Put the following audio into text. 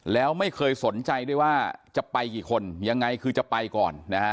แล้วไม่เคยสนใจด้วยว่าจะไปกี่คนยังไงคือจะไปก่อนนะฮะ